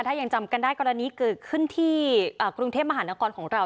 ถ้ายังจำกันได้กรณีเกิดขึ้นที่กรุงเทพมหานครของเรา